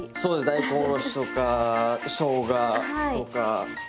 大根おろしとかしょうがとか。